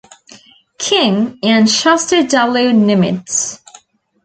King, and Chester W. Nimitz.